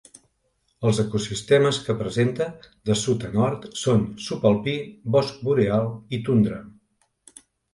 Els ecosistemes que presenta, de sud a nord, són subalpí, bosc boreal i tundra.